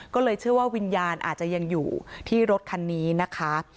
ก็เลยเชื่อว่าวิญญาณอาจจะยังอยู่ที่รถคันนี้นะคะ